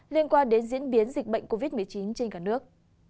liên quan đến diễn biến dịch bệnh covid một mươi chín trên cả nước